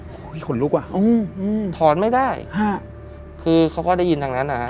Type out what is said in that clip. โอ้ฮูอีกหนูกว่ะอ่าถอนไม่ได้คือเค้าก็ได้ยินทางนั้นนะครับ